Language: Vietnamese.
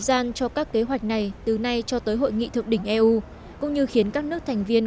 gian cho các kế hoạch này từ nay cho tới hội nghị thượng đỉnh eu cũng như khiến các nước thành viên